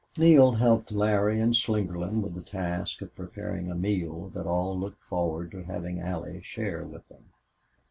Neale helped Larry and Slingerland with the task of preparing a meal that all looked forward to having Allie share with them.